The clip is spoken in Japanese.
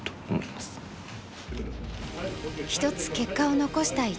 一つ結果を残した一力。